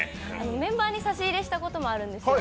メンバーに差し入れしたこともあるんですよ。